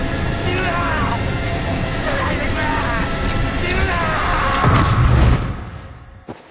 死ぬな！